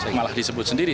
malah disebut sendiri